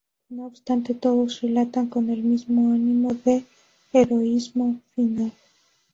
No obstante, todos relatan con el mismo ánimo su heroísmo final.